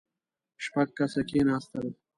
شپږ کسه کېناستل.